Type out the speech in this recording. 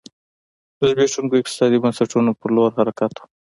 د زبېښونکو اقتصادي بنسټونو په لور حرکت و.